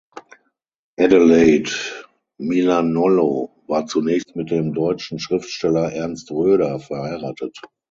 Adelaide Milanollo war zunächst mit dem deutschen Schriftsteller Ernst Roeder verheiratet.